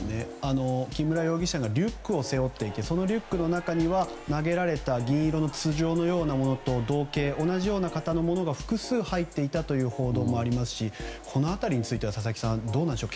木村容疑者がリュックを背負っていてそのリュックの中には投げられた銀色の筒状のようなものと同じ形のものが複数入っていたという報道もありますしこの辺りについては佐々木さんどうなんでしょう。